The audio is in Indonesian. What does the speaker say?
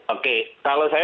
oke kalau saya